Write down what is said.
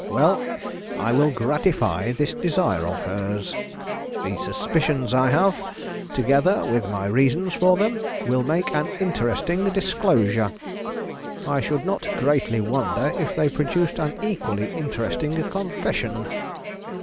Well, I will gratify this desire of hers. The suspicions I have, together with my reasons for them, will make an interesting disclosure. I should not greatly wonder if they produced an equally interesting confession."